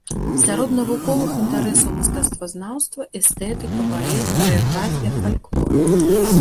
Сярод навуковых інтарэсаў мастацтвазнаўства, эстэтыка, балет, харэаграфія, фальклор.